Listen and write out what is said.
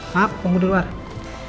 pak punggung dulu pak